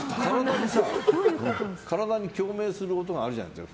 体に共鳴する音とかあるじゃないですか。